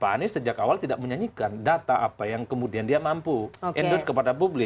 pak anies sejak awal tidak menyanyikan data apa yang kemudian dia mampu endorse kepada publik